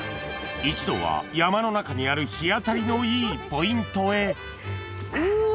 一同は山の中にある日当たりのいいポイントへうわ！